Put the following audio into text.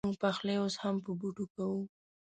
مونږ پخلی اوس هم په بوټو کوو